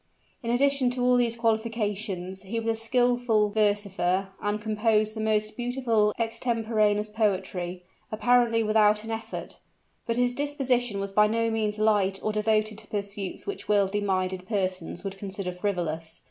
In addition to all these qualifications, he was a skillful versifier, and composed the most beautiful extemporaneous poetry, apparently without an effort. But his disposition was by no means light or devoted to pursuits which worldly minded persons would consider frivolous.